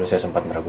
aku ingin pergi